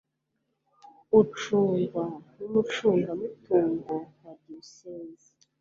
ucungwa n Umucungamutungo wa Diyosezi